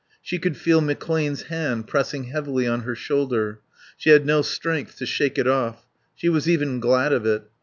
She could feel McClane's hand pressing heavily on her shoulder. She had no strength to shake it off; she was even glad of it.